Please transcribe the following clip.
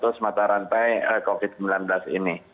terus mata rantai covid sembilan belas ini